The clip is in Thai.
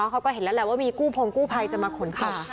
เขาก็เห็นแล้วแหละว่ามีกู้พงกู้ภัยจะมาขนขา